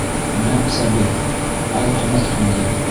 Мә, Сабир, ал ҡомартҡыңды.